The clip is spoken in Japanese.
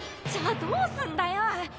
じゃあどうすんだよ！